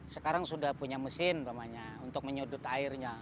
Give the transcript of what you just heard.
sekarang sudah punya mesin untuk menyudut airnya